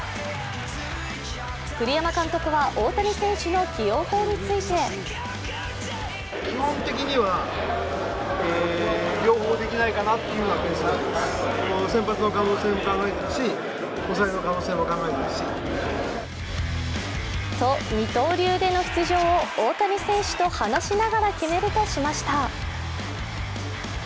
栗山監督は大谷選手の起用法についてと、二刀流での出場を大谷選手と話しながら決めるとしました。